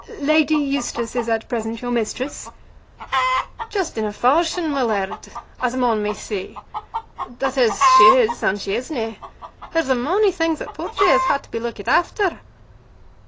"Lady Eustace is at present your mistress?" "Just in a fawshion, my laird, as a mon may say. That is she is, and she is nae. There's a mony things at Portray as ha' to be lookit after."